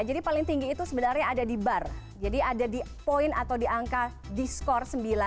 jadi paling tinggi itu sebenarnya ada di bar jadi ada di poin atau di angka di skor sembilan